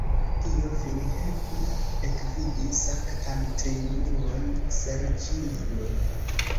Dio vin helpu ekvidi Sanktan Triunuon-Sergij'n.